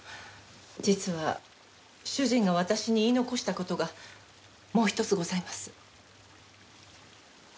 実は主人が私に言い残した事がもう１つございます。